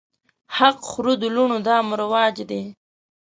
حق خورو د لوڼو دا مو رواج دی